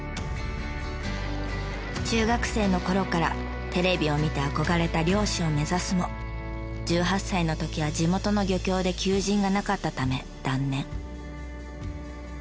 中学生の頃からテレビを見て憧れた漁師を目指すも１８歳の時は地元の漁協で求人がなかったため断念。